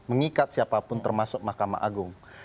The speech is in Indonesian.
mengikat siapapun termasuk mahkamah agung